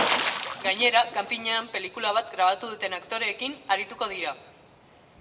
Gainera, kanpinean pelikula bat grabatu duten aktoreekin arituko dira.